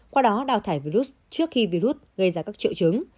qua đó đào thải virus trước khi virus gây ra các triệu chứng